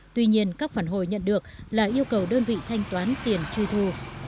tuy nhiên các phản hồi nhận được là yêu cầu đơn vị thanh toán tiền truy thu